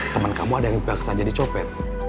temen kamu ada yang berkesan jadi copet